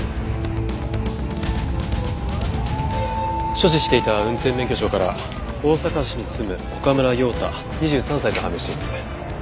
所持していた運転免許証から大阪市に住む岡村陽太２３歳と判明しています。